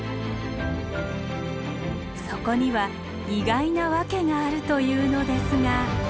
そこには意外なワケがあるというのですが。